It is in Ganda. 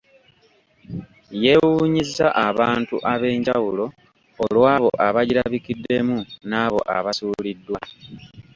Yeewuunyisizza abantu ab’enjawulo olw’abo abagirabikiddemu n’abo abasuuliddwa.